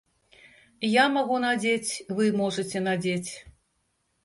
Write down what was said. Я магу надзець, вы можаце надзець.